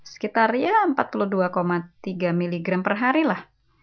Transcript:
sekitar ya empat puluh dua tiga mg per hari lah